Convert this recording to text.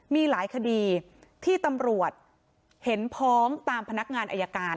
มีหลายคดีที่ตำรวจเห็นพ้องตามพนักงานอายการ